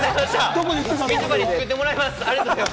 みちょぱに作ってもらいます！